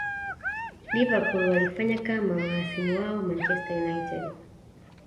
liverpool walifanya kama mahasimu wao manchester united